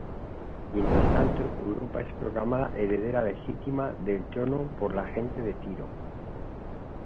Mientras tanto, Europa es proclamada heredera legítima del trono por la gente de Tiro.